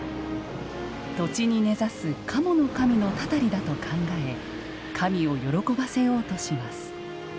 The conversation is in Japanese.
土地に根ざす「賀茂の神」のたたりだと考え神を喜ばせようとします。